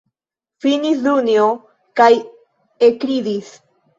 Finis Dunjo kaj ekridis.